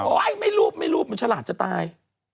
ไม่รูปไม่รูปมันฉลาดจะตาย